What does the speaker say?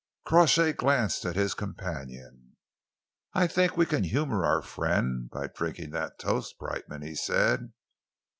'" Crawshay glanced at his companion. "I think we can humour our friend by drinking that toast, Brightman," he said.